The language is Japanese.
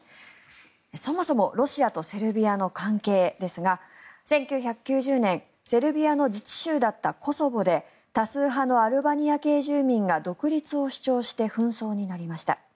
そもそもロシアとセルビアの関係ですが１９９０年セルビアの自治州だったコソボで多数派のアルバニア系の住民が独立を主張して紛争になりました。